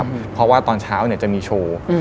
เพราะว่าตอนเช้าจะมีโชว์